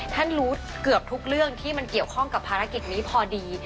ท่านรู้เกือบทุกเรื่องที่มันเกี่ยวข้องกับภารกิจนี้พอดี